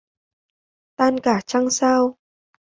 Tan cả trăng sao